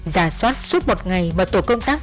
giả soát suốt một ngày mà tổ công tác